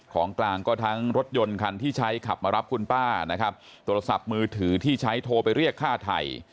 ของกลางก็ทั้งรถยนต์คันที่ใช้ขับมารับคุณป้านะครับโทรศัพท์มือถือที่ใช้โทรไปเรียกฆ่าไทย